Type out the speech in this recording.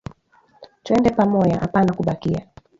Twende pamoya apana kubakia